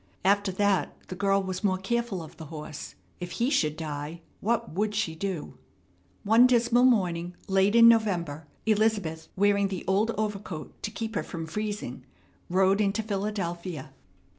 After that the girl was more careful of the horse. If he should die, what would she do? One dismal morning, late in November, Elizabeth, wearing the old overcoat to keep her from freezing, rode into Philadelphia.